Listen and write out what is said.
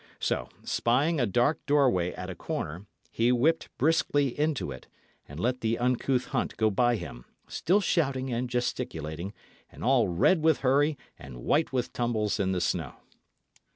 So, spying a dark doorway at a corner, he whipped briskly into it, and let the uncouth hunt go by him, still shouting and gesticulating, and all red with hurry and white with tumbles in the snow.